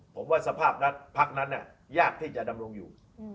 ผมว่าสภาพนั้นพักนั้นยากที่จะดำรงอยู่